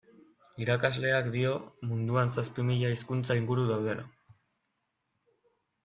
Irakasleak dio munduan zazpi mila hizkuntza inguru daudela.